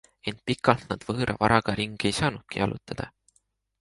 Ent pikalt nad võõra varaga ringi ei saanudki jalutada.